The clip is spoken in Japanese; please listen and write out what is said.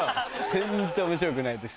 全然面白くないです。